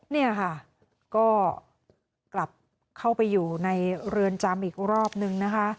เนี่ยค่ะก็กลับเข้าไปอยู่ในเรือนจำอีกรอบนึงนะคะ